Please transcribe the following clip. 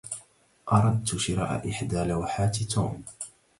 أردت شراء إحدى لوحات توم.